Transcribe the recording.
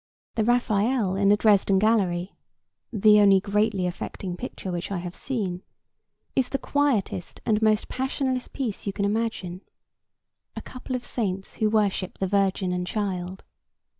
The Raphael in the Dresden gallery (the only greatly affecting picture which I have seen) is the quietest and most passionless piece you can imagine; a couple of saints who worship the Virgin and Child.